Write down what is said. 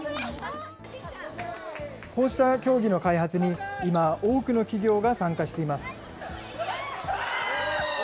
こうした競技の開発に、今、多くの企業が参加しています。